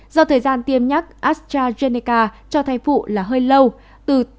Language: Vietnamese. do thời gian tiêm nhắc astrazeneca cho thay phụ là hơi lâu từ